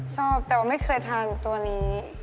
ชอบแต่ว่าไม่เคยทานตัวนี้